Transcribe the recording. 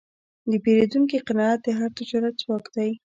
د پیرودونکي قناعت د هر تجارت ځواک دی.